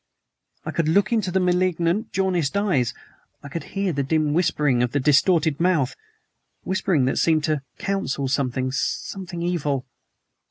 I could look into the malignant, jaundiced eyes; I could hear the dim whispering of the distorted mouth whispering that seemed to counsel something something evil.